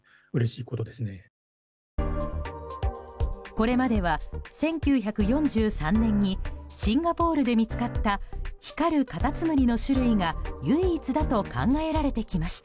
これまでは、１９４３年にシンガポールで見つかった光るカタツムリの種類が唯一だと考えられてきました。